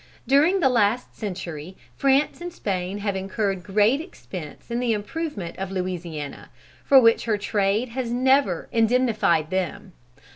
During the last century, France and Spain have incurred great expense in the improvement of Louisiana, for which her trade has never indemnified them.